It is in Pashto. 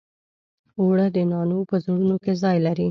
اوړه د نانو په زړونو کې ځای لري